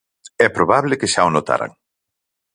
É probable que xa o notaran.